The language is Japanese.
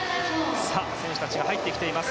選手たちが入ってきています。